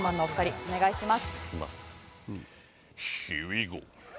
お願いします。